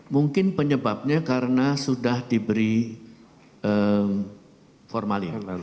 mungkin penyebabnya karena sudah diberi formalin